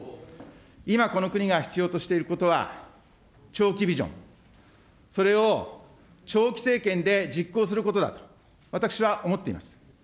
今、この国が必要としていることは、長期ビジョン、それを長期政権で実行することだと、私は思っています。